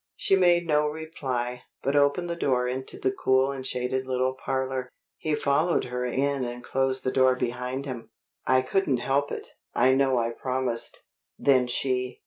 She made no reply, but opened the door into the cool and shaded little parlor. He followed her in and closed the door behind him. "I couldn't help it. I know I promised." "Then she